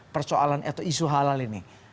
persoalan atau isu halal ini